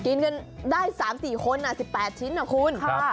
กินกันได้สามสี่คนอ่ะสิบแปดชิ้นหรอคุณค่ะ